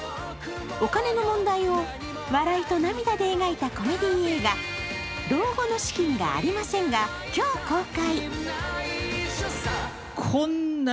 お金の問題を笑いと涙で描いたコメディー映画、「老後の資金がありません」が今日公開。